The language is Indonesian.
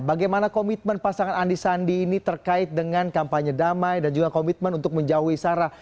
bagaimana komitmen pasangan andi sandi ini terkait dengan kampanye damai dan juga komitmen untuk menjauhi sara